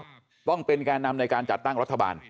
ต้องเป็นแก่นำในการจัดตั้งรัฐบาล